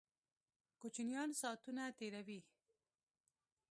کوچینان ساتونه تیروي